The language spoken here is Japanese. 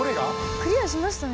クリアしましたね。